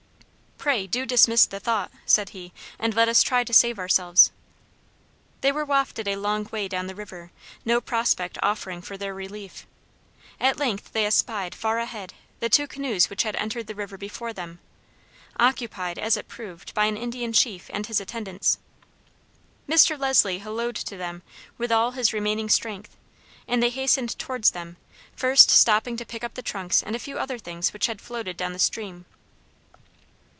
"Pray, do dismiss the thought," said he, "and let us try to save ourselves." They were wafted a long way down the river, no prospect offering for their relief. At length they espied, far ahead, the two canoes which had entered the river before them, occupied, as it proved, by an Indian chief and his attendants. Mr. Leslie hallooed to them with all his remaining strength, and they hastened towards them, first stopping to pick up the trunks and a few other things which had floated down stream.